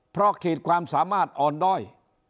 เพราะขีดความสามารถอ่อนด้อย